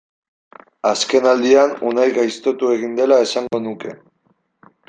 Azkenaldian Unai gaiztotu egin dela esango nuke.